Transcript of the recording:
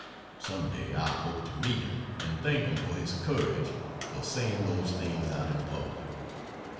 Some day I hope to meet him and thank him for his courage for saying those things out in public.